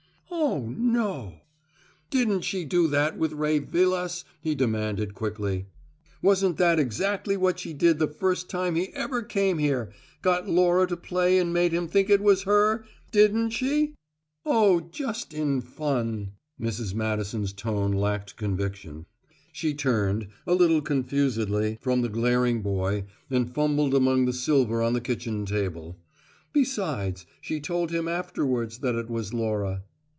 "Oh, no " "Didn't she do that with Ray Vilas?" he demanded quickly. "Wasn't that exactly what she did the first time he ever came here got Laura to play and made him think it was her? Didn't she?" "Oh just in fun." Mrs. Madison's tone lacked conviction; she turned, a little confusedly, from the glaring boy and fumbled among the silver on the kitchen table. "Besides she told him afterward that it was Laura."